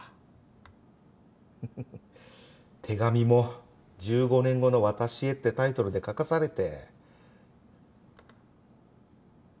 フフフ手紙も「１５年後の私へ」ってタイトルで書かされて。